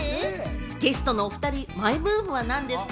ゲストのお２人、マイブームはなんですか？